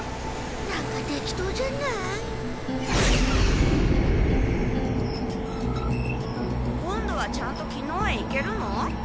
なんか適当じゃない？今度はちゃんときのうへ行けるの？